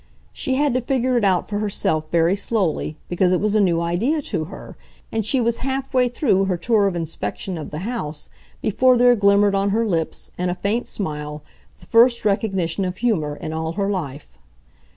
She had to figure it out for herself very slowly, because it was a new idea to her, and she was half way through her tour of inspection of the house before there glimmered on her lips, in a faint smile, the first recognition of humor in all her life.